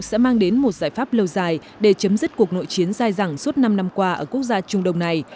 sẽ mang đến một giải pháp lâu dài để chấm dứt cuộc nội chiến dài dẳng suốt năm năm qua ở quốc gia trung đông này